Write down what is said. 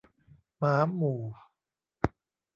หมาหมู่